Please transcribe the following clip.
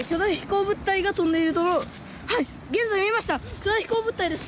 巨大飛行物体です。